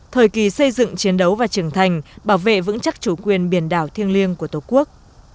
thời kỳ xây dựng chiến đấu và trưởng thành bảo vệ vững chắc chủ quyền biển đảo thiêng liêng của tổ quốc